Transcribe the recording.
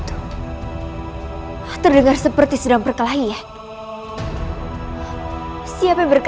tubuhku seperti ditusuk tusuk